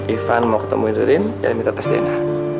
ivan mau ketemu ririn dari mitra tesdena